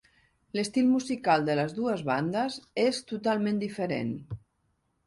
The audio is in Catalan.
L'estil musical de les dues bandes és totalment diferent.